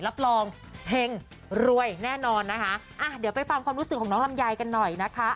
รับรองเห็งรวยแน่นอนนะคะอ่ะเดี๋ยวไปฟังความรู้สึกของน้องลำไยกันหน่อยนะคะ